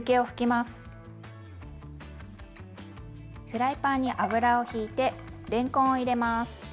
フライパンに油をひいてれんこんを入れます。